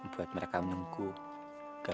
jauhin orang jua